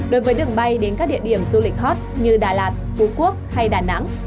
đối với đường bay đến các địa điểm du lịch hot như đà lạt phú quốc hay đà nẵng